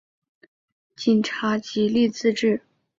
警察极力自制